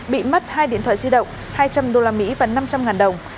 bị mất hai điện thoại di động hai trăm linh usd và năm trăm linh đồng